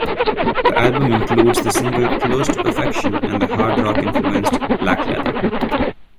The album includes the single "Close to Perfection" and the hard rock-influenced "Black Leather.